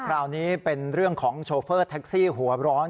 คราวนี้เป็นเรื่องของโชเฟอร์แท็กซี่หัวร้อน